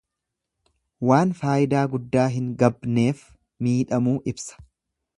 Waan faayidaa guddaa hin gabneef miidhamuu ibsa.